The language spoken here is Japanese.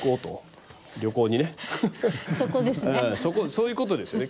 そういうことですよね。